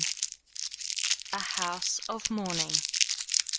A House of Mourning.